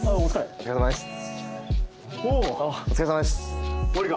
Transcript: お疲れさまです。